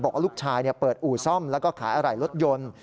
บอกว่าลูกชายเปิดอู่ซ่อมแล้วก็ขายอะไหล่รถยนต์